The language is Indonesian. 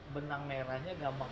benang merahnya gampang